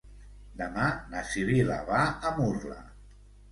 Demà na Sibil·la va a Murla.